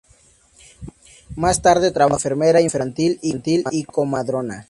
Más tarde trabajó como enfermera infantil y comadrona.